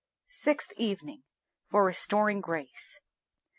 SIXTH EVENING. FOR RESTORING GRACE.